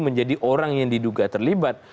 menjadi orang yang diduga terlibat